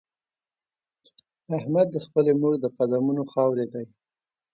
احمد د خپلې مور د قدمونو خاورې دی.